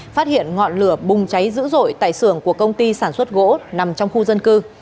phát hiện ngọn lửa bùng cháy dữ dội tại xưởng của công ty sản xuất gỗ nằm trong khu dân cư